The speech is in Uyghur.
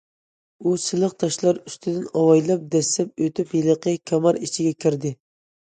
ئۇ سىلىق تاشلار ئۈستىدىن ئاۋايلاپ دەسسەپ ئۆتۈپ، ھېلىقى كامار ئىچىگە كىردى.